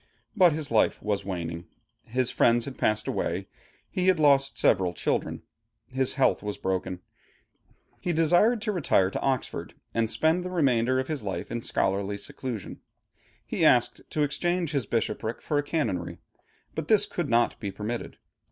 But his life was waning. His friends had passed away, he had lost several children, his health was broken. He desired to retire to Oxford and spend the remainder of his life in scholarly seclusion. He asked to exchange his bishopric for a canonry, but this could not be permitted.